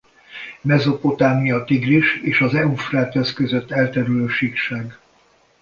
Mezopotámia a Tigris és az Eufrátesz között elterülő síkság.